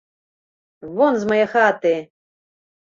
Вон з мае хаты!